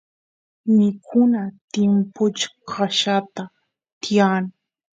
mikuna timpuchkaqllata tiyan